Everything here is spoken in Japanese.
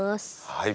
はい！